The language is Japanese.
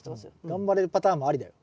頑張れるパターンもありだよ。